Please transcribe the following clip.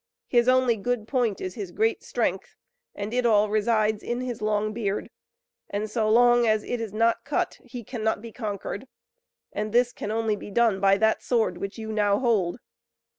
His only good point is his great strength, and it all resides in his long beard, and so long as it is not cut he cannot be conquered, and this can only be done by that sword, which you now hold.